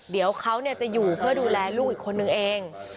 เดี๋ยวเขาจะอยู่เพื่อดูแลลูกอีกคนนึงเอง